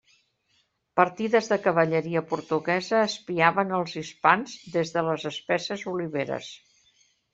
Partides de cavalleria portuguesa espiaven als hispans, des de les espesses oliveres.